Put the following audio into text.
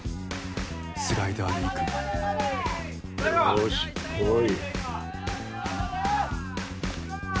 スライダーでいくよしこい